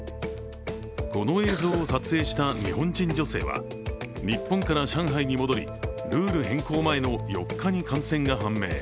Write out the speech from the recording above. この映像を撮影した日本人女性は日本から上海に戻りルール変更前の４日に感染が判明。